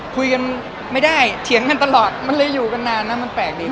คุยกันไม่ได้เถียงกันตลอดมันเลยอยู่กันนานนะมันแปลกดี